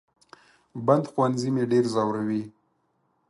بند ښوونځي مې ډېر زوروي